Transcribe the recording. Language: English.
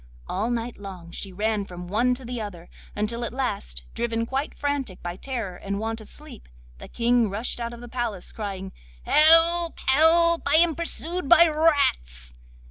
All night long she ran from one to the other, until at last, driven quite frantic by terror and want of sleep, the King rushed out of the palace crying: 'Help! help! I am pursued by rats.